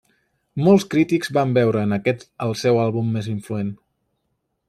Molts crítics van veure en aquest el seu àlbum més influent.